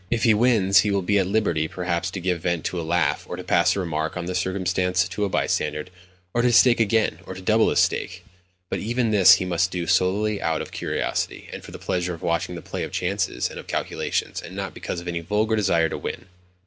If he wins, he will be at liberty, perhaps, to give vent to a laugh, or to pass a remark on the circumstance to a bystander, or to stake again, or to double his stake; but, even this he must do solely out of curiosity, and for the pleasure of watching the play of chances and of calculations, and not because of any vulgar desire to win.